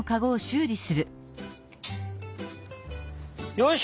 よし！